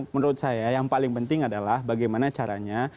menurut saya yang paling penting adalah bagaimana caranya